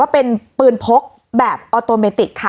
เป็นปืนพกแบบออโตเมติกค่ะ